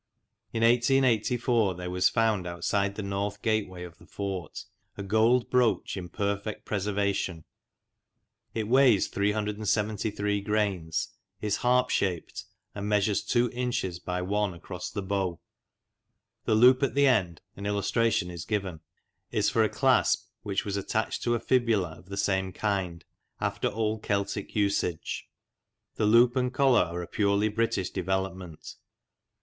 In 1884 there was found outside the north gateway of the fort a gold brooch in perfect preser vation. It weighs 373 grains, is harp shaped, and measures two inches by one across the bow. The loop at the end (an illustration is given) is for a clasp, which was attached to a fibula of the same kind, after old Celtic usage. The loop and collar are a purely British develop ment.